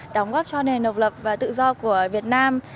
đóng góp cho nền độc lập và tự do của việt nam